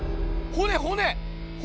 骨骨！